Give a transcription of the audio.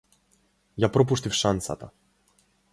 Ја пропуштив шансата.